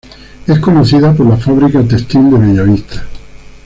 Es conocida por la Fabrica Textil de Bellavista.